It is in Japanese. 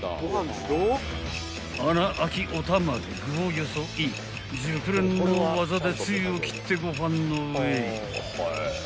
［穴開きおたまで具をよそい熟練の技でつゆを切ってご飯の上へ］